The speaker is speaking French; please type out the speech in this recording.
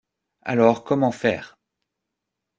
Alors, comment faire?